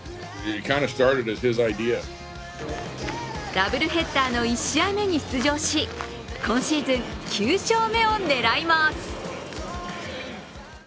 ダブルヘッダーの１試合目に出場し、今シーズン９勝目を狙います。